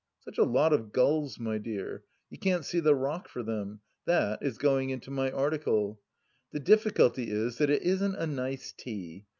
Such a lot of gulls, my dear, you can't see the rock for them ! That is going into my article. The difficulty is that it isn't a, nice tea.